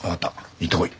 行ってこい。